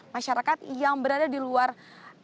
masyarakat yang berada di luar